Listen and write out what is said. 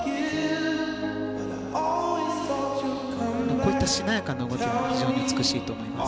こういったしなやかな動きも非常に美しいと思います。